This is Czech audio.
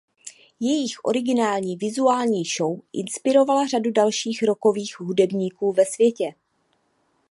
Jejich originální vizuální show inspirovala řadu dalších rockových hudebníků ve světě.